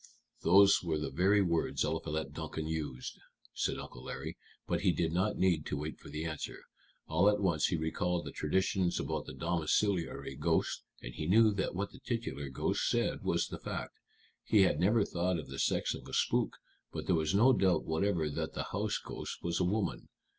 "Those were the very words Eliphalet Duncan used," said Uncle Larry; "but he did not need to wait for the answer. All at once he recalled the traditions about the domiciliary ghost, and he knew that what the titular ghost said was the fact. He had never thought of the sex of a spook, but there was no doubt whatever that the house ghost was a woman.